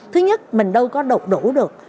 thứ nhất mình đâu có đột đủ được